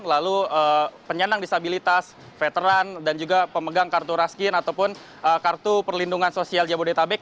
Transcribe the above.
lalu penyandang disabilitas veteran dan juga pemegang kartu raskin ataupun kartu perlindungan sosial jabodetabek